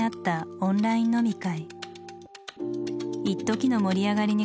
オンライン飲み会。